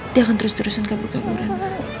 dia akan terus terusan kabur kaburan